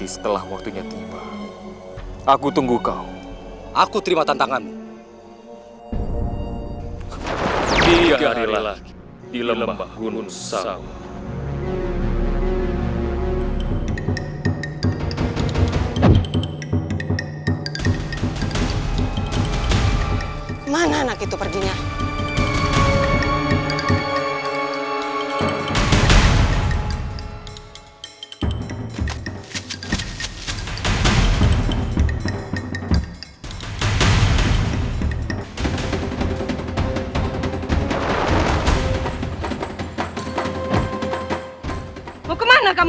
sampai jumpa di video selanjutnya